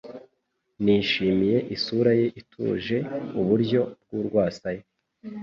Nishimiye isura ye ituje, uburyo bw'urwasaya,